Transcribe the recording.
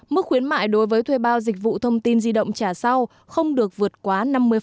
mức khuyến mại đối với thuê bao dịch vụ thông tin di động trả sau không được vượt quá năm mươi